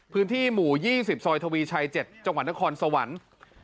พื้นที่หมู่๒๐ซอยทวีชัย๗จังหวัดนครสวรรค์